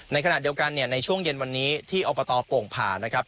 ในขณะเดียวกันในช่วงเย็นวันนี้ที่รปตปลงผ่านนะครับ